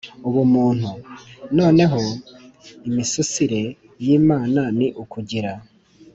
ubumuntu. noneho imisusire y’ imana ni ukugira,